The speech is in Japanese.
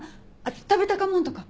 食べたかもんとか。